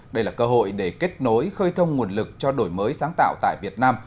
đây là cơ hội để kết nối khơi thông nguồn lực cho đổi mới sáng tạo tại việt nam